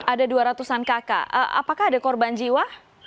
ada dua ratus an kakak apakah ada korban jiwa